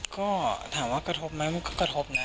ก็ถามว่ากระทบไหมมันก็กระทบนะ